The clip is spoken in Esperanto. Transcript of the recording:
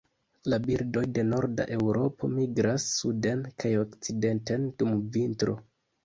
La birdoj de norda Eŭropo migras suden kaj okcidenten dum vintro.